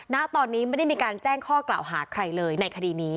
ณตอนนี้ไม่ได้มีการแจ้งข้อกล่าวหาใครเลยในคดีนี้